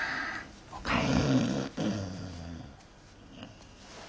おかえり。